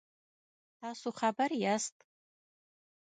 تاسو خبر یاست؟